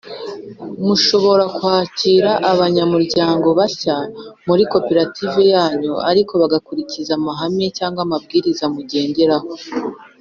Ushobora kwakira abanyamuryango bashya muri koperative yanyu ariko bagakurikiza amahame cyangwa amabwiriza mu genderaho